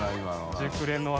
熟練の技。